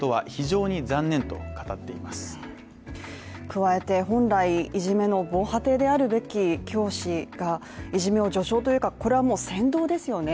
加えて、本来、いじめの防波堤であるべき教師がいじめを助長というかこれはもう先導ですよね。